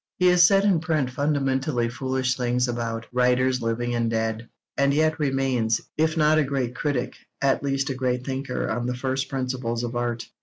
He has said in print fundamentally foolish things about writers living and dead; and yet remains, if not a great critic, at least a great thinker on the first principles of art.